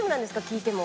聞いても。